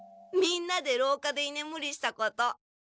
みんなでろうかでいねむりしたこと。